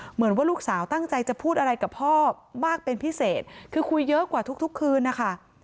เหมือนว่าลูกสาวตั้งใจจะพูดอะไรกับพ่อมากเป็นพิเศษคือคุยเยอะกว่าทุกคืนนะคะ